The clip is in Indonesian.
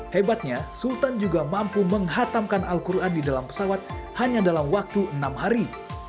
hebatnya sultan juga mampu menghatamkan al quran di dalam pesawat hanya dalam waktu enam hari